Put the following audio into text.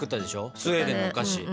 スウェーデンのお菓子。